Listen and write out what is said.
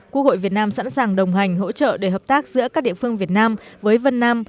quốc hội việt nam sẵn sàng đồng hành hỗ trợ để hợp tác giữa các địa phương việt nam với vân nam